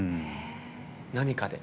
何かで。